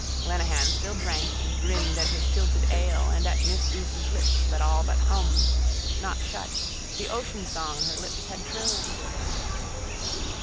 Lenehan still drank and grinned at his tilted ale and at miss Douce's lips that all but hummed, not shut, the oceansong her lips had trilled.